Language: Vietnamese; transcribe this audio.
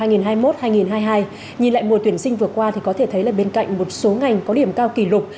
nhìn lại mùa tuyển sinh vừa qua thì có thể thấy là bên cạnh một số ngành có điểm cao kỷ lục